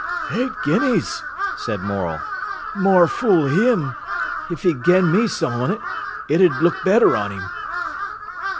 "Eight guineas!" said Morel. "More fool him! If he'd gen me some on't, it 'ud ha' looked better on 'im."